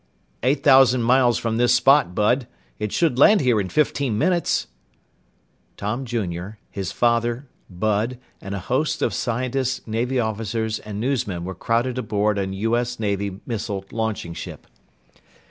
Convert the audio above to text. "Eight thousand miles from this spot, Bud. It should land here in fifteen minutes!" Tom Jr., his father, Bud, and a host of scientists, Navy officers, and newsmen were crowded aboard a U.S. Navy missile launching ship.